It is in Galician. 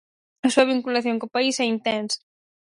A súa vinculación co país é intensa.